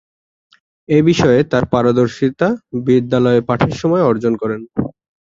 এ বিষয়ে তার পারদর্শিতা বিদ্যালয়ে পাঠের সময়ে অর্জন করেন।